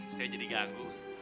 saya jadi ganggu